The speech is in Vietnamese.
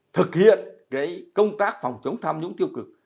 thực hiện công tác phòng chống tham nhũng tiêu cực